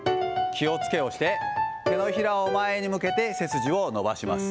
気をつけをして、手のひらを前に向けて、背筋を伸ばします。